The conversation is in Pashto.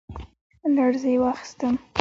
لـړزې واخيسـتم ،